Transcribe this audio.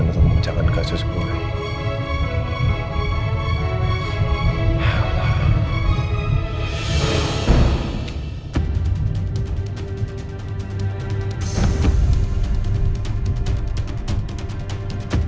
untuk mengejarkan kasus gue